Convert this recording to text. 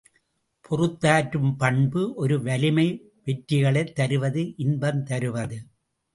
பொறுத்தாற்றும் பண்பு ஒரு வலிமை வெற்றிகளைத் தருவது இன்பம் தருவது.